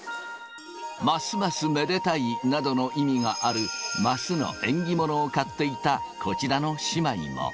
ますますめでたいなどの意味がある升の縁起物を買っていたこちらの姉妹も。